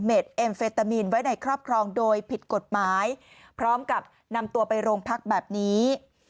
เอ็มเฟตามีนไว้ในครอบครองโดยผิดกฎหมายพร้อมกับนำตัวไปโรงพักแบบนี้